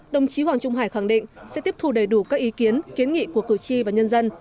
đồng chí hoàng trung hải khẳng định sẽ tiếp thu đầy đủ các ý kiến kiến nghị của cử tri và nhân dân